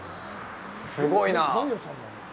すごいなあ。